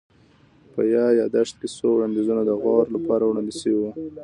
په يا ياداشت کي څو وړانديزونه د غور لپاره وړاندي سوي وه